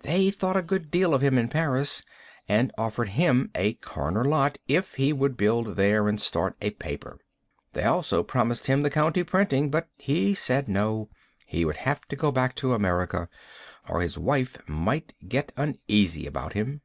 They thought a good deal of him in Paris, and offered him a corner lot if he would build there and start a paper. They also promised him the county printing, but he said no, he would have to go back to America, or his wife might get uneasy about him.